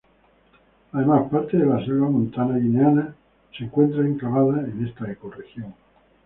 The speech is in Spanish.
Además, parte de la selva montana guineana se encuentra enclavada en esta ecorregión.